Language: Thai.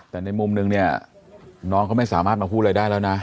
แต่ในมุมนึงเนี่ยน้องเขาไม่สามารถมาพูดอะไรได้แล้วนะ